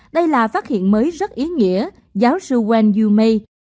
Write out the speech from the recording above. đây là phát hiện mới rất ý nghĩa giáo sư wen yu mei